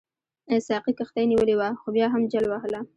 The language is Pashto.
ساقي کښتۍ نیولې وه خو بیا هم جل وهله.